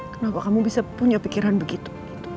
kenapa kamu bisa punya pikiran begitu